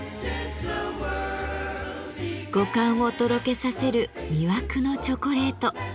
五感をとろけさせる魅惑のチョコレート。